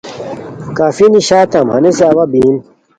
کافی نیشیتام ہنیسے اوا بیم